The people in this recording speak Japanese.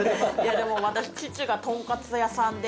でも私父がトンカツ屋さんで。